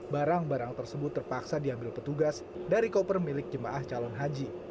barang barang tersebut terpaksa diambil petugas dari koper milik jemaah calon haji